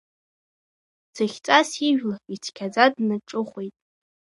Ӡыхьҵас, ижәла, ицқьаӡа, днаҿыхәеит.